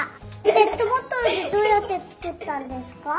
ペットボトルってどうやってつくったんですか？